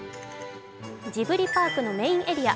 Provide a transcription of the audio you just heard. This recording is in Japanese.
ジブリパークのメインエリア